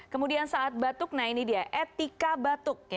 kemudian saat batuk nah ini dia etika batuk